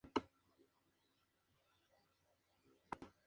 Matthew se culpa de la misteriosa desaparición de su hermano pequeño Tom.